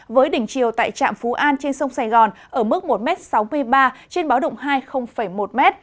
với đỉnh chiều tại trạm phú an trên sông sài gòn ở mức một sáu mươi ba m trên báo động hai một m